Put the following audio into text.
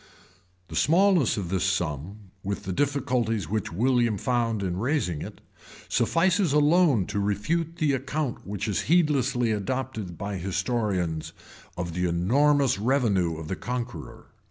The smallness of this sum, with the difficulties which William found in raising it, suffices alone to refute the account which is heedlessly adopted by historians, of the enormous revenue of the Conqueror.